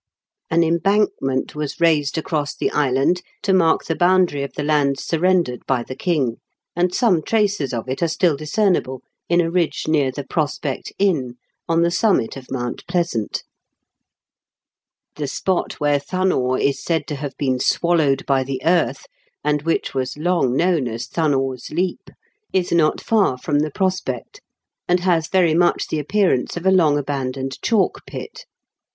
An embankment was raised across the island to mark the boundary of the lands surrendered by the king, and some traces of it are still discernible in a ridge near The Prospect Inn, on the summit of Mount Pleasant. The spot where Thunnor is said to have been 808 IN KENT WITH CHARLES DICKENS. swallowed by the earth, and which was long^ known as Thunnor's Leap, is not far from The Prospect, and has very much the appearance of a long abandoned chalk pit.